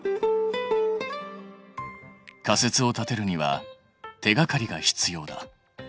仮説を立てるには手がかりが必要だ。